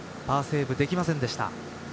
パーセーブできませんでした。